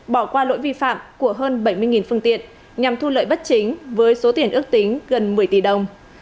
bỏ qua lỗi vi phạm của hơn bảy mươi phương tiện nhằm thu lợi bất chính với số tiền ước tính gần một mươi tỷ đồng